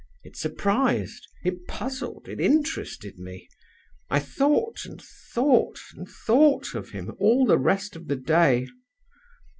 It surprised, it puzzled, it interested me. I thought, and thought, and thought of him, all the rest of the day.